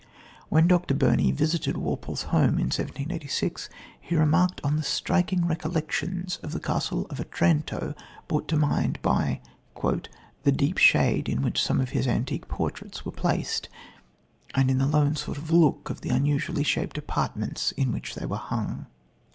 When Dr. Burney visited Walpole's home in 1786 he remarked on the striking recollections of The Castle of Otranto, brought to mind by "the deep shade in which some of his antique portraits were placed and the lone sort of look of the unusually shaped apartments in which they were hung."